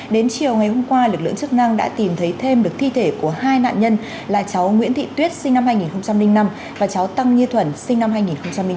đến chiều ngày hôm qua lực lượng chức năng đã tìm thấy thêm được thi thể của hai nạn nhân là cháu nguyễn thị tuyết sinh năm hai nghìn năm và cháu tăng như thuần sinh năm hai nghìn chín